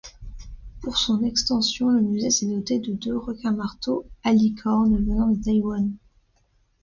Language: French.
Pour son extension, le musée s'est doté de deux requins-marteaux halicornes venant de Taïwan.